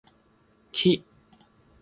木